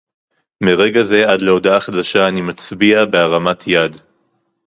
מרגע זה עד להודעה חדשה אני מצביע בהרמת יד